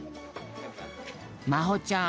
まほちゃん